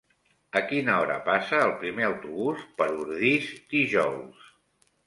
A quina hora passa el primer autobús per Ordis dijous?